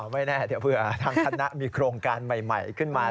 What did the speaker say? ไม่แน่เดี๋ยวเผื่อทางคณะมีโครงการใหม่ขึ้นมา